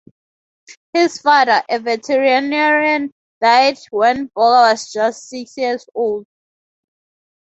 His father, a veterinarian, died when Borger was just six years old.